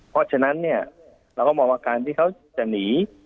เพราะฉะนั้นเนี่ยเราก็มองว่าการที่เขาจะหนี